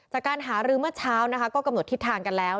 จากการหารือเมื่อเช้านะคะก็กำหนดทิศทางกันแล้ว